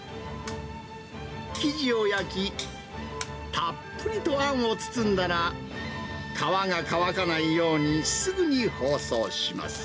生地を焼き、たっぷりとあんを包んだら、皮が乾かないように、すぐに包装します。